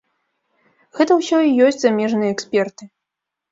Гэта ўсё і ёсць замежныя эксперты.